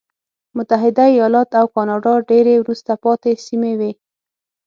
متحده ایالات او کاناډا ډېرې وروسته پاتې سیمې وې.